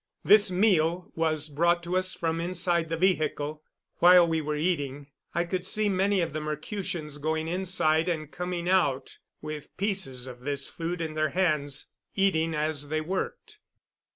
This meal was brought to us from inside the vehicle. While we were eating I could see many of the Mercutians going inside and coming out with pieces of this food in their hands, eating as they worked.